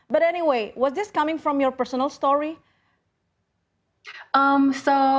tapi anyway ini dari cerita pribadi anda